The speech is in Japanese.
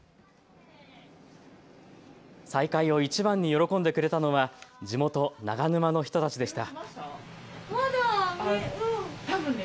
再開をいちばんに喜んでくれたのは地元、長沼の人たちでした。